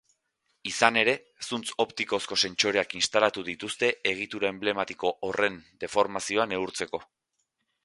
Izan ere, zuntz optikozko sentsoreak instalatu dituzte egitura enblematiko horren deformazioa neurtzeko.